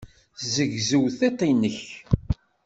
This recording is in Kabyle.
Tezzegzew tiṭ-nnek.